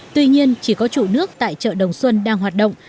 tuy nhiên chỉ có trụ nước tại chợ đồng xuân đang hoạt động